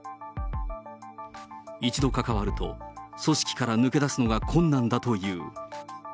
一度関わると、組織から抜け出すのが困難だという。